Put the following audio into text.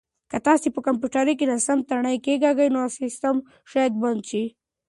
که تاسي په کمپیوټر کې ناسم تڼۍ کېکاږئ نو سیسټم شاید بند شي.